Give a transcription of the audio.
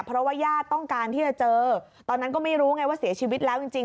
เพราะว่าญาติต้องการที่จะเจอตอนนั้นก็ไม่รู้ไงว่าเสียชีวิตแล้วจริงจริง